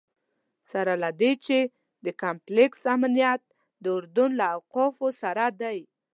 سره له دې چې د کمپلکس امنیت د اردن له اوقافو سره دی.